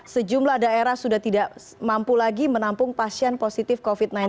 sejumlah daerah sudah tidak mampu lagi menampung pasien positif covid sembilan belas